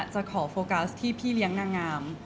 จะขอโฟกัสที่พี่เลี้ยงนางงาม